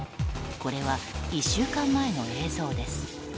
これは１週間前の映像です。